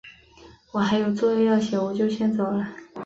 我还有作业要写，我就先走了。